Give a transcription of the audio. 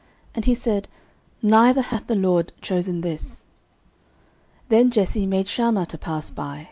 And he said, Neither hath the LORD chosen this. 09:016:009 Then Jesse made Shammah to pass by.